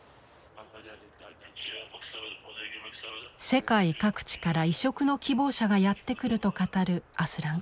世界各地から移植の希望者がやって来ると語るアスラン。